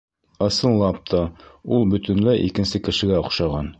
Ысынлап та, ул бөтөнләй икенсе кешегә оҡшаған.